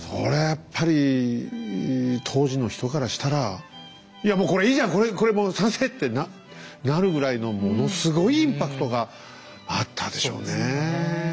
やっぱり当時の人からしたら「いやもうこれいいじゃんこれもう賛成！」ってなるぐらいのものすごいインパクトがあったでしょうね。